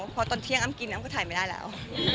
พอตอนเที่ยงอ้ำกินน้ำก็ถ่ายไม่ได้แล้ว